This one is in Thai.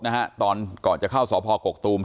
อยากให้สังคมรับรู้ด้วย